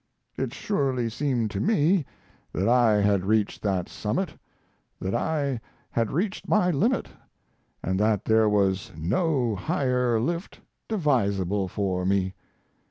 It surely seemed to me that I had reached that summit, that I had reached my limit, and that there was no higher lift devisable for me.